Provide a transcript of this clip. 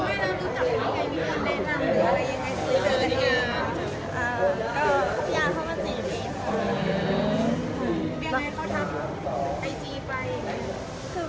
พี่อาร์ไงเขาทักไอจีบไปไหน